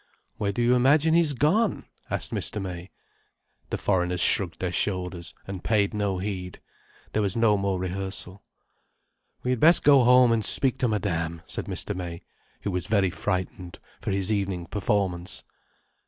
"Where do you imagine he's gone?" asked Mr. May. The foreigners shrugged their shoulders, and paid no heed. There was no more rehearsal. "We had best go home and speak to Madame," said Mr. May, who was very frightened for his evening performance.